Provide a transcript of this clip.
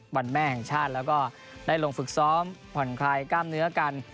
วันแม่แห่งชาติแล้วก็ได้ลงฝึกซ้อมผ่อนคลายกล้ามเนื้อกัน